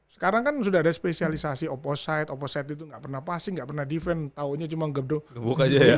sekarang kan sudah ada spesialisasi opposite opposite itu gak pernah passing gak pernah defend taunya cuma ngebuk aja